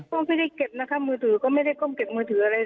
ก็ไม่ได้เก็บนะคะมือถือก็ไม่ได้ก้มเก็บมือถืออะไร